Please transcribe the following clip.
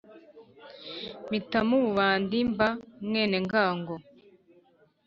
mpitamo ububandi mba mwenengango